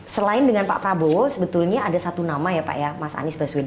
selain dengan pak prabowo sebetulnya ada satu nama ya pak ya mas anies baswedan